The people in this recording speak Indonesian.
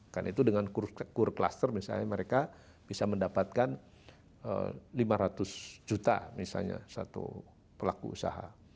karena itu dengan core cluster misalnya mereka bisa mendapatkan lima ratus juta misalnya satu pelaku usaha